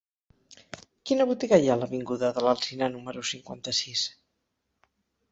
Quina botiga hi ha a l'avinguda de l'Alzinar número cinquanta-sis?